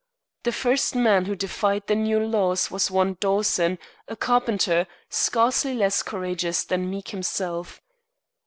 The first man who defied the new laws was one Dawson, a carpenter, scarcely less courageous than Meek himself.